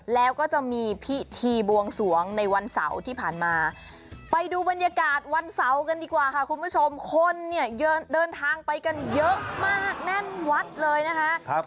แล้วก็จะมีพิธีบวงสวงในวันเสาร์ที่ผ่านมาไปดูบรรยากาศวันเสาร์กันดีกว่าค่ะคุณผู้ชมคนเนี่ยเดินทางไปกันเยอะมากแน่นวัดเลยนะคะ